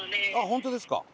本当ですか？